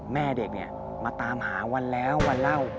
แม่เด็กเนี่ยมาตามหาวันแล้ววันเล่า